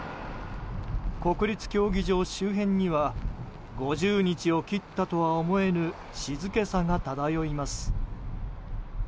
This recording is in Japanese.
国立競技場周辺には５０日を切ったとは思えぬ静けさが漂います。